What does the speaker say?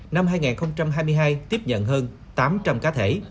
năm hai nghìn hai mươi hai tiếp nhận hơn tám trăm linh cá thể